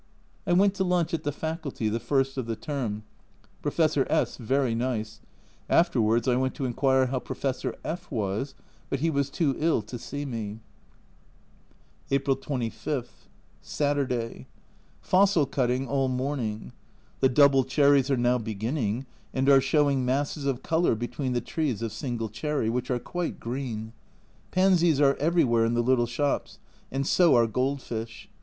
I went to lunch at the Faculty, the first of the term. Professor S very nice ; afterwards I went to inquire how Pro fessor F was, but he was too ill to see me. April 25. Saturday. Fossil cutting all morning. The double cherries are now beginning and are show ing masses of colour between the trees of single cherry, which are quite green. Pansies are everywhere in the little shops, and so are gold fish.